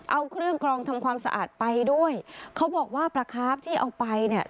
เอาเครื่องกรองทำความสะอาดไปด้วยเขาบอกว่าปลาคาร์ฟที่เอาไปเนี่ย